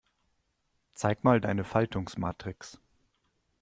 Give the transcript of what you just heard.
Zeig mal deine Faltungsmatrix.